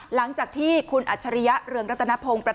หลังจากที่คุณอัจฉริยะเรืองรัตนพงศ์